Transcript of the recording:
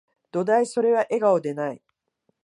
どだい、それは、笑顔でない